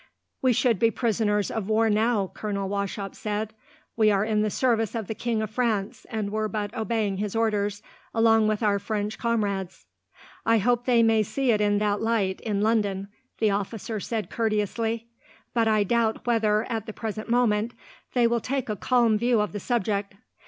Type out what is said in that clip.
"We should be prisoners of war, now," Colonel Wauchop said. "We are in the service of the King of France, and were but obeying his orders, along with our French comrades." "I hope they may see it in that light, in London," the officer said courteously; "but I doubt whether, at the present moment, they will take a calm view of the subject.